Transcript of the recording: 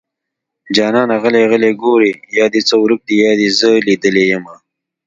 جانانه غلی غلی ګورې يا دې څه ورک دي يا دې زه ليدلې يمه